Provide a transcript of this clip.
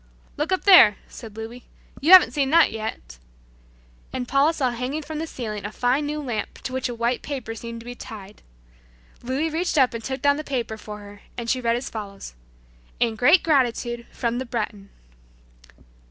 "Look up there," said Louis, "you haven't seen that yet," and Paula saw hanging from the ceiling a fine new lamp to which a white paper seemed to be tied. Louis reached up and took down the paper for her, and she read as follows: "In great gratitude from the Breton."